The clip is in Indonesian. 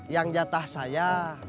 yang jatah saya